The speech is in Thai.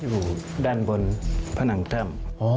อยู่ด้านบนผนังแต้ม